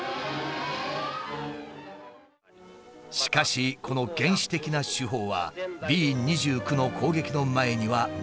しかしこの原始的な手法はＢ２９の攻撃の前には無力だった。